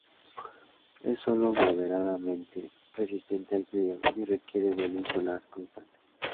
Es sólo moderadamente resistente al frío, y requiere de luz solar constante.